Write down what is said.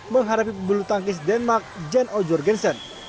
mengharapi pembuluh tangkis denmark jan ojorgensen